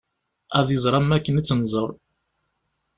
Ad iẓer am akken i tt-nẓer.